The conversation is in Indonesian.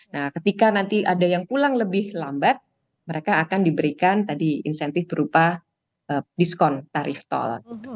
nah ketika nanti ada yang pulang lebih lambat mereka akan diberikan tadi insentif berupa diskon tarif tol